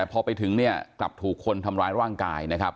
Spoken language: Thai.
พอไปถึงเนี่ยกลับถูกคนทำร้ายร่างกายนะครับ